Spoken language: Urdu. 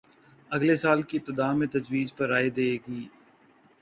اگلے سال کی ابتدا میں تجویز پر رائے دے گی